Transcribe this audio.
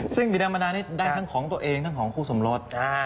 ซึ่งบีแดงมะนานี้ได้ทั้งของตัวเองทั้งของคู่สมรส